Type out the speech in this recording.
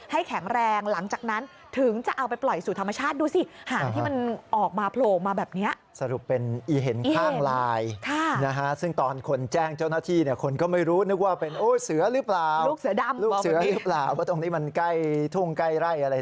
ให้แข็งแรงหลังจากนั้นถึงจะเอาไปปล่อยสู่ธรรมชาติ